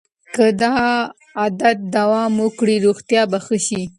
که دا عادت دوام وکړي روغتیا به ښه شي.